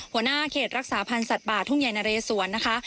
หัวหน้าเขตรักษาพันธ์สัตว์ป่าทุ่งใหญ่นะเรสวนนะคะ